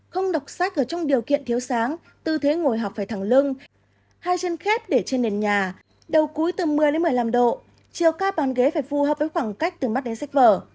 không đọc sách ở trong điều kiện thiếu sáng tư thế ngồi học phải thẳng lưng hai chân khét để trên nền nhà đầu cúi từ một mươi đến một mươi năm độ chiều ca bàn ghế phải phù hợp với khoảng cách từ mắt đến sách vở